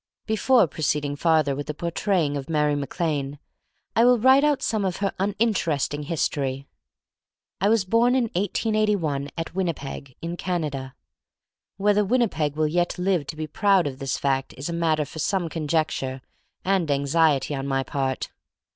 — Before proceeding farther with the Portraying of Mary Mac Lane, I will write out some of her uninteresting his tory. I was born in 1881 at Winnepeg, in Canada. Whether Winnepeg will yet 6 THE STORY OF MARY MAC LANE live to be proud of this fact is a matter for some conjecture and anxiety on my part.